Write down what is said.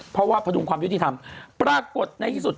เพราะว่าพดุงความยุติธรรมปรากฏในที่สุด